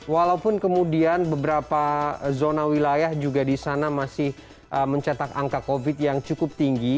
walaupun kemudian beberapa zona wilayah juga di sana masih mencetak angka covid yang cukup tinggi